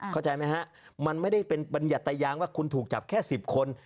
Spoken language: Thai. เข้าใจไหมฮะมันไม่ได้เป็นบรรยัตยางว่าคุณถูกจับแค่๑๐คน